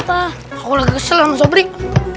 bahkan kalau masalah gabung